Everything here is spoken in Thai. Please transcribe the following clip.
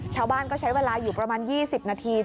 ชาวบ้านก็ใช้เวลาอยู่ประมาณ๒๐นาที